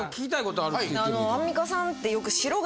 あのアンミカさんってよく。